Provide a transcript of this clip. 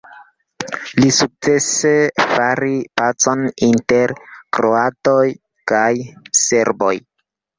Li sukcese faris pacon inter kroatoj kaj serboj.